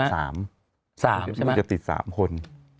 มันจะติด๓คน